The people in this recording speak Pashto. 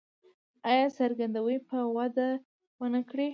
آیا ګرځندوی به وده ونه کړي؟